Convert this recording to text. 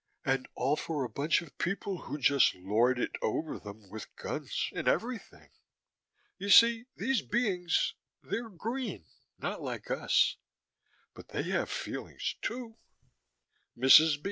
And all for a bunch of people who just lord it over them with guns and everything. You see, these beings they're green, not like us, but they have feelings, too MRS.